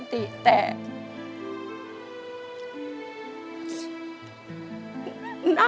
นั่งฉันเข่าแล้วพี่ก็หล่อง้าย